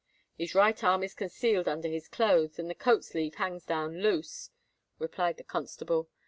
"His right arm is concealed under his clothes, and the coat sleeve hangs down loose," replied the constable.